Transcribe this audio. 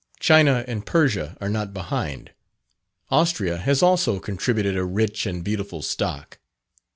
China and Persia are not behind. Austria has also contributed a rich and beautiful stock.